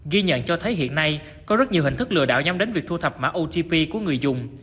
ghi nhận cho thấy hiện nay có rất nhiều hình thức lừa đảo nhắm đến việc thu thập mã otp của người dùng